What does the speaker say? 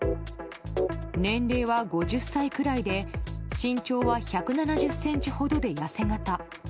年齢は５０歳くらいで身長は１７０ｃｍほどでやせ形。